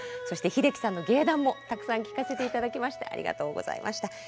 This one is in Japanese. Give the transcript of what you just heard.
そして英樹さんの芸談もたくさん聞かせていただきました。